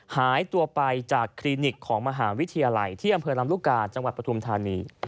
หายตัวไปจากคลินิกของมหาวิทยาลัยที่อำเภอลำลูกกาจังหวัดปฐุมธานี